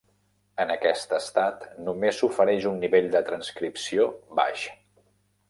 En aquest estat, només s'ofereix un nivell de transcripció baix.